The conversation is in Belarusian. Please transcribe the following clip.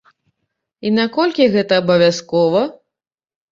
І наколькі гэта абавязкова?